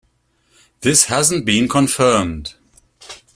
This hasn't been confirmed.